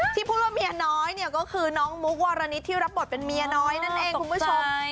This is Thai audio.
ที่พูดว่าเมียน้อยเนี่ยก็คือน้องมุกวรณิตที่รับบทเป็นเมียน้อยนั่นเองคุณผู้ชม